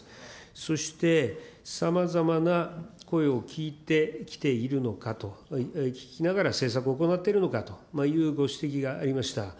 そして、さまざまな声を聞いてきているのかと、聞きながら政策を行っているのかというご指摘がありました。